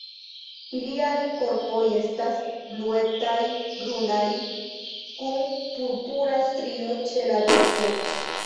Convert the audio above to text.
Iliaj korpoj estas bluetaj-brunaj, kun purpura strio ĉe la dorso.